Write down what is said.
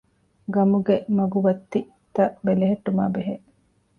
ގަމުގެ މަގުބައްތިތައް ބެލެހެއްޓުމާ ބެހޭ